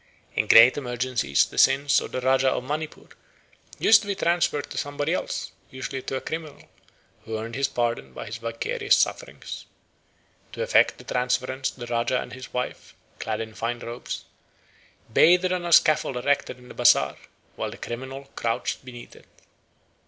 In great emergencies the sins of the Rajah of Manipur used to be transferred to somebody else, usually to a criminal, who earned his pardon by his vicarious sufferings. To effect the transference the Rajah and his wife, clad in fine robes, bathed on a scaffold erected in the bazaar, while the criminal crouched beneath it.